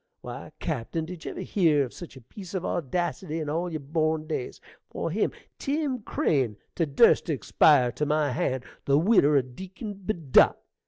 Why, cappen, did ye ever hear of such a piece of audacity in all yer born days? for him Tim Crane to durst to expire to my hand, the widder o' Deacon Bedott!